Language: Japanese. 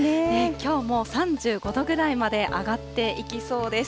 きょうも３５度くらいまで上がっていきそうです。